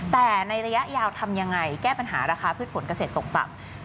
แต่ในระยะยาวทำยังไงแก้ปัญหาราคาพืชผลเกษตรตกต่ำ